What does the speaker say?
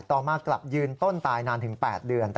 มากลับยืนต้นตายนานถึง๘เดือน